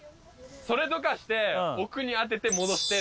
それどかして奥に当てて戻して真ん中に。